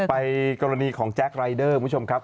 กรณีของแจ็ครายเดอร์คุณผู้ชมครับ